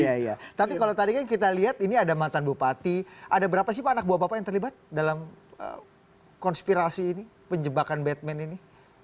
iya iya tapi kalau tadi kan kita lihat ini ada mantan bupati ada berapa sih pak anak buah bapak yang terlibat dalam konspirasi ini penjebakan batman ini